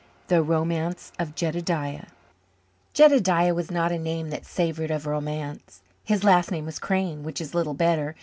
The Romance of Jedediah Jedediah was not a name that savoured of romance. His last name was Crane, which is little better.